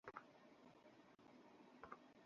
ফলে সে চাচ্ছিল যুদ্ধ বিস্তীর্ণ ময়দানে হোক।